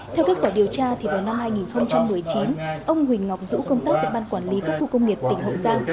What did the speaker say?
theo kết quả điều tra vào năm hai nghìn một mươi chín ông huỳnh ngọc dũ công tác tại ban quản lý các khu công nghiệp tỉnh hậu giang